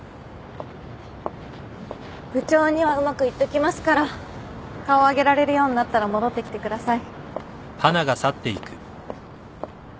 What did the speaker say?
部長にはうまく言っときますから顔上げられるようになったら戻ってきてください。